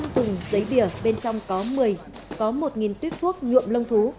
năm thùng giấy bìa bên trong có một mươi có một tuyết thuốc nhuộm lông thú